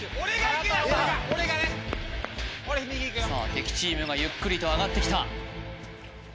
敵チームがゆっくりと上がってきた